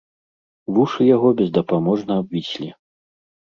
Вушы яго бездапаможна абвіслі.